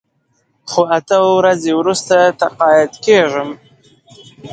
خو اته ورځې وروسته تقاعد کېږم.